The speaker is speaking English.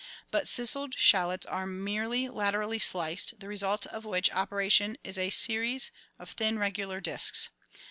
But ciseled shallots are merely laterally sliced, the result ot which operation is a series of thin, regular discs.